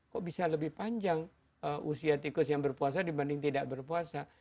kok bisa lebih panjang usia tikus yang berpuasa dibanding tidak berpuasa